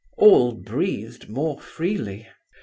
All breathed more freely.